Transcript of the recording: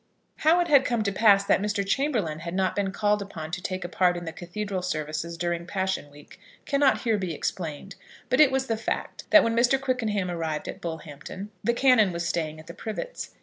How it had come to pass that Mr. Chamberlaine had not been called upon to take a part in the Cathedral services during Passion week cannot here be explained; but it was the fact, that when Mr. Quickenham arrived at Bullhampton, the Canon was staying at The Privets.